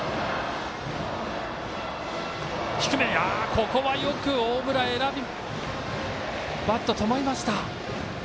ここはよく大村、バット止まりました。